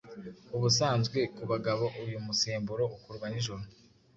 ubusanzwe ku bagabo, uyu musemburo ukorwa nijoro